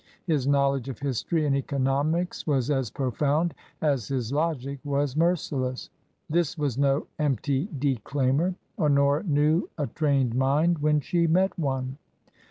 His knowledge of history and economics was as profound as his logic was merciless. This was no empty declaimer. Honora knew a trained mind when she met one.